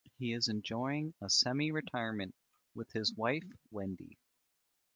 He is enjoying a semi-retirement with his wife, Wendi.